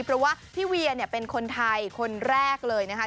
เพราะว่าพี่เวียเป็นคนไทยคนแรกเลยนะครับ